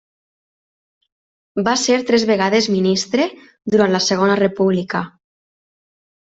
Va ser tres vegades ministre durant la Segona República.